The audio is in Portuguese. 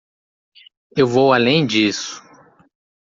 Eu vou além disso.